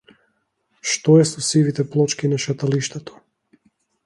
Што е со сивите плочки на шеталиштето?